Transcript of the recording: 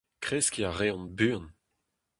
Kreskiñ a reont buan.